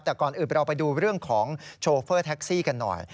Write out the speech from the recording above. แต่ก่อนอื่นเราไปดูเรื่องของโชเฟอร์แท็กซี่กันหน่อย